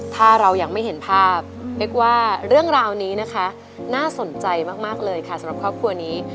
ถ้าอยากไม่เห็นภาพน่าสนใจเลย่ครับสำหรับครอบครัวนี้